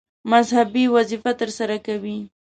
مذهبي وظیفه ترسره کوي.